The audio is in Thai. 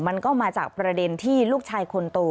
มันก็มาจากประเด็นที่ลูกชายคนโต